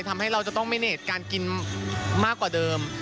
ทำให้เราจะต้องไม่เนตการกินมากกว่าเดิม